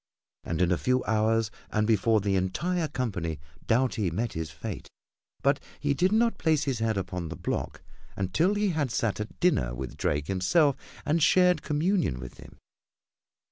And in a few hours and before the entire company Doughty met his fate, but he did not place his head upon the block until he had sat at dinner with Drake himself and shared communion with him.